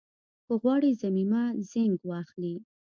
که غواړئ ضمیمه زېنک واخلئ